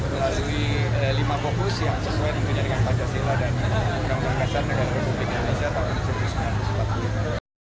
melalui lima fokus yang sesuai dengan pancasila dan undang undang kasar negara republik indonesia tahun dua ribu dua puluh satu